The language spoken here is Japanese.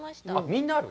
みんなある？